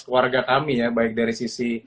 keluarga kami ya baik dari sisi